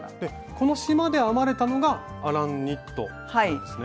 この島で編まれたのがアランニットなんですね？